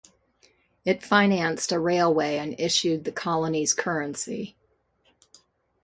It financed a railway and issued the colony's currency.